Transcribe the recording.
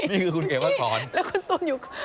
นี่คือคุณเขียนมาสอนแล้วคุณตุ้มอยู่